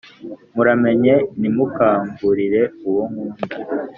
muramenye ntimunkangurire uwo nkunda,